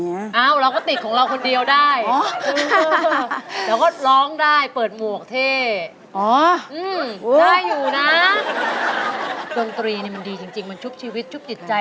น้องของถ้าใครอีกพอได้